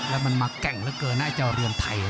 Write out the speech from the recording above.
แล้วมันมาแกร่งเหลือเกินนะไอ้เจ้าเรือนไทย